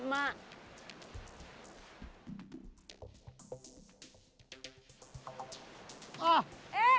maka di dunia